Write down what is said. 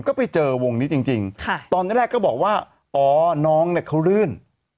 ก็ไปเจอวงนี้จริงตอนแรกก็บอกว่าอ๋อน้องเนี่ยเขาลื่น